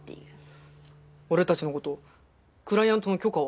俺たちの事クライアントの許可は？